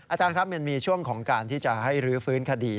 อาจารย์ครับมันมีช่วงของการที่จะให้รื้อฟื้นคดี